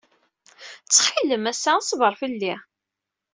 Ttxil-m, ass-a ṣber fell-i.